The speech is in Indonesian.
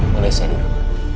boleh saya dihukum